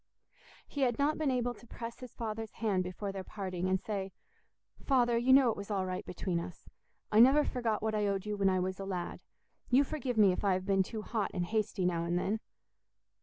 He had not been able to press his father's hand before their parting, and say, "Father, you know it was all right between us; I never forgot what I owed you when I was a lad; you forgive me if I have been too hot and hasty now and then!"